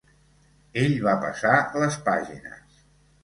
Ell va passar les pàgines.